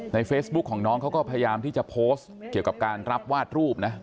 เฟซบุ๊กของน้องเขาก็พยายามที่จะโพสต์เกี่ยวกับการรับวาดรูปนะ